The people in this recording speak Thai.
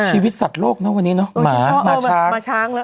ชีวิตสัตว์โลกนะวันนี้หมาช้าง